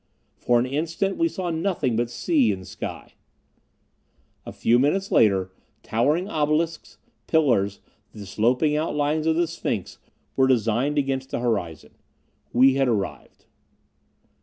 For an instant we saw nothing but sea and sky. A few minutes later, towering obelisks, pillars, the sloping outlines of the sphinx, were designed against the horizon. We had arrived.